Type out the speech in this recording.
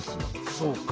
そうか。